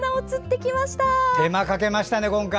手間かけましたね、今回。